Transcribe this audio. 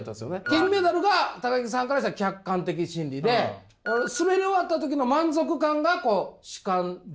金メダルが木さんからしたら客観的真理で滑り終わった時の満足感がこう主体的真理。